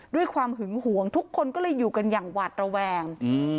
ด้วยความหึงหวงทุกคนก็เลยอยู่กันอย่างหวาดระแวง